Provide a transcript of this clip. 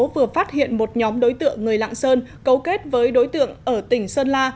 công an tp vừa phát hiện một nhóm đối tượng người lạng sơn cấu kết với đối tượng ở tỉnh sơn la